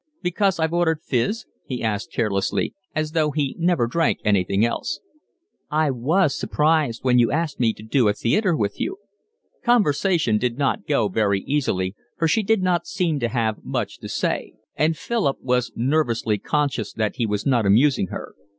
"Because I've ordered fiz?" he asked carelessly, as though he never drank anything else. "I WAS surprised when you asked me to do a theatre with you." Conversation did not go very easily, for she did not seem to have much to say; and Philip was nervously conscious that he was not amusing her.